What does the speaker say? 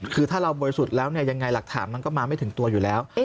คือถ้าเราบริสุทธิ์แล้วเนี่ยยังไงหลักฐานมันก็มาไม่ถึงตัวอยู่แล้ว